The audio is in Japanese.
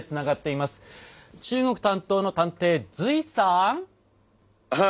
中国担当の探偵隋さん。